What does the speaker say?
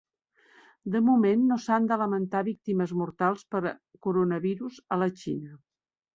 De moment no s'han de lamentar víctimes mortals per coronavirus a la Xina